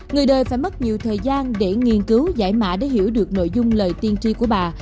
người đời phải mất nhiều thời gian để nghiên cứu giải mã để hiểu được nội dung lời tiên tri của bà